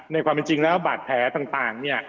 ความจริงแล้วบาดแผลต่างเนี่ย